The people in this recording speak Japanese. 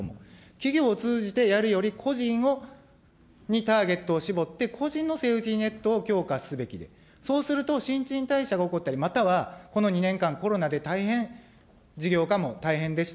企業を通じてやるより、個人にターゲットを絞って、個人のセーフティネットを強化すべきで、そうすると新陳代謝が起こったり、またはこの２年間、コロナで大変、事業化も大変でした。